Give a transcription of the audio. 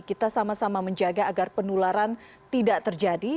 kita sama sama menjaga agar penularan tidak terjadi